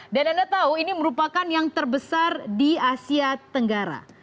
dan anda tahu ini merupakan yang terbesar di asia tenggara